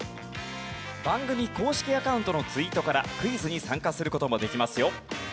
番組公式アカウントのツイートからクイズに参加する事もできますよ。